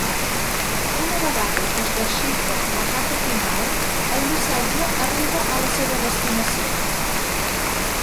Una vegada es desxifra la capa final, el missatge arriba a la seva destinació.